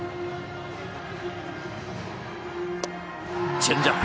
チェンジアップ。